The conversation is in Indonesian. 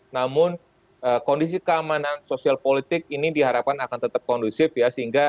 namun kondisi keamanan sosial politik ini diharapkan akan tetap kondusif ya